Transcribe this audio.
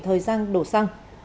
thời gian đồ xăng